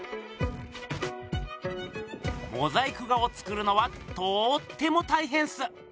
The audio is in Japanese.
モザイク画を作るのはとっても大へんっす。